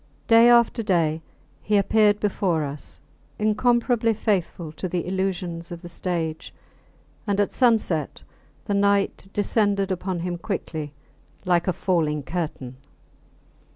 Day after day he appeared before us, incomparably faithful to the illusions of the stage, and at sunset the night descended upon him quickly, like a falling curtain.